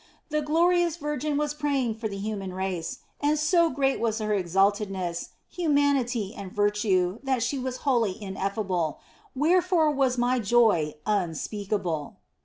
The glorious Virgin was praying for the human race, and so great was her exaltedness, humanity, and virtue that she was wholly ineffable, wherefore was my joy unspeakable.